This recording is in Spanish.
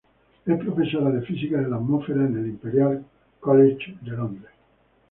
Es profesora de física de la atmósfera en el Imperial College London.